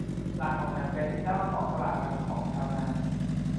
หลานของฉันเป็นเจ้าของตลาดนัดของชาวนา